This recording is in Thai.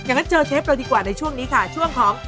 งั้นเจอเชฟเราดีกว่าในช่วงนี้ค่ะช่วงของ